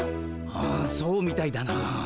ああそうみたいだな。